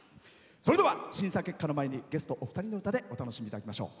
では、審査結果の前にゲストお二人の歌でお楽しみいただきましょう。